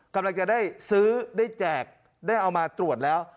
กำลังจะได้ซื้อได้แจกได้เอามาตรวจแล้ว